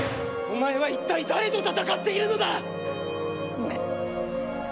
お前は一体誰と戦っているのだ⁉ごめん。